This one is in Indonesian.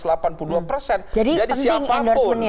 jadi penting endorsement nya